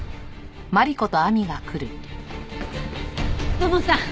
土門さん！